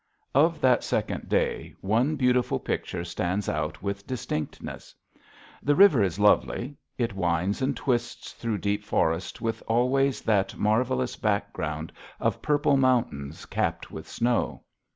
Of that second day, one beautiful picture stands out with distinctness. The river is lovely; it winds and twists through deep forests with always that marvelous background of purple mountains capped with snow.